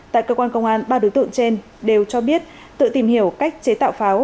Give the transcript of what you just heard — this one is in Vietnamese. tại cơ quan công an ba đối tượng trên đều cho biết tự tìm hiểu cách chế tạo pháo